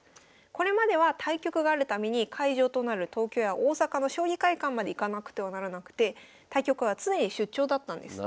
これまでは対局がある度に会場となる東京や大阪の将棋会館まで行かなくてはならなくて対局は常に出張だったんです。